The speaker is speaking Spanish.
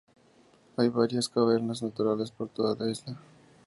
Hay varias cavernas naturales por toda la isla.